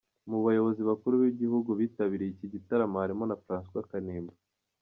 Mu bayobozi bakuru b'igihugu bitabiriye iki gitaramo harimo na Francois Kanimba.